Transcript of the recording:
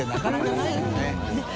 ないよね。